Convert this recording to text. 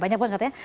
banyak pun katanya